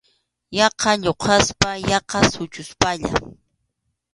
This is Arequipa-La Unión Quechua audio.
Yaqa lluqaspa, yaqa suchuspalla.